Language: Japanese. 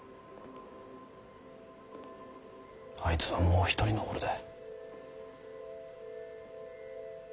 あいつはもう一人の俺だ。